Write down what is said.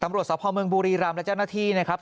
ตำรวจสภเมืองบุรีรำและเจ้าหน้าที่นะครับ